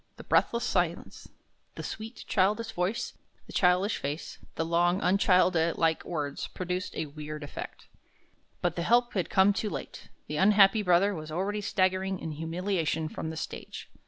The breathless silence, the sweet, childish voice, the childish face, the long, unchildlike words, produced a weird effect. But the help had come too late; the unhappy brother was already staggering in humiliation from the stage.